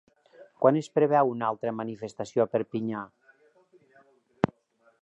Quan es preveu una altra manifestació a Perpinyà?